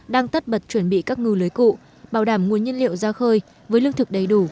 đang tất bật chuẩn bị các ngư lưới cụ bảo đảm nguồn nhân liệu ra khơi với lương thực đầy đủ